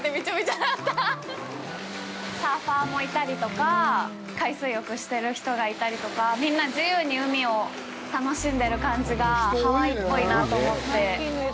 サーファーもいたりとか、海水浴してる人がいたりとか、みんな、自由に海を楽しんでる感じがハワイっぽいなぁと思って。